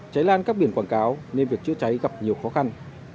cháy lan các biển quảng cáo nên việc chữa cháy gặp nhiều khó khăn